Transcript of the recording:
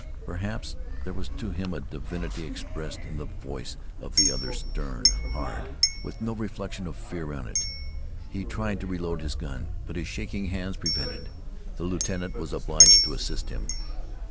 Perhaps there was to him a divinity expressed in the voice of the other stern, hard, with no reflection of fear in it. He tried to reload his gun, but his shaking hands prevented. The lieutenant was obliged to assist him.